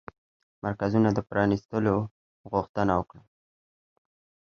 مرکزونو د پرانيستلو غوښتنه وکړه